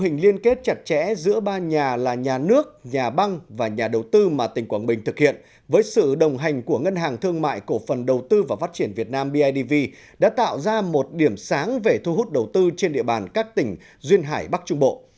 tình hình liên kết chặt chẽ giữa ba nhà là nhà nước nhà băng và nhà đầu tư mà tỉnh quảng bình thực hiện với sự đồng hành của ngân hàng thương mại cổ phần đầu tư và phát triển việt nam bidv đã tạo ra một điểm sáng về thu hút đầu tư trên địa bàn các tỉnh duyên hải bắc trung bộ